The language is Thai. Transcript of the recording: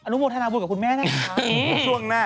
อนุมนตรารับุหรอกคุณแม่น่ะ